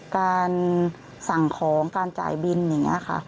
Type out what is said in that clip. การสั่งของการจ่ายบินอย่างนี้ค่ะ